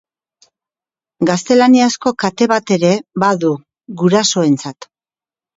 Gaztelaniazko kate bat ere badu, gurasoentzat.